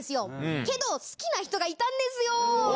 けど、好きな人がいたんですよ。